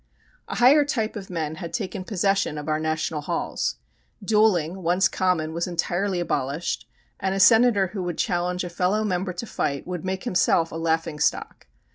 A higher type of men had taken possession of our national halls. Duelling, once common, was entirely abolished, and a Senator who would challenge a fellow member to fight would make himself a laughing stock.